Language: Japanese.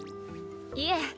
いえ。